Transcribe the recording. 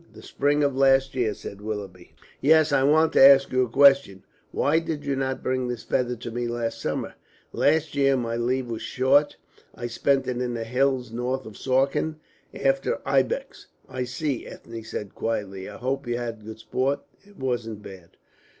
"The spring of last year," said Willoughby. "Yes. I want to ask you a question. Why did you not bring this feather to me last summer?" "Last year my leave was short. I spent it in the hills north of Suakin after ibex." "I see," said Ethne, quietly; "I hope you had good sport." "It wasn't bad."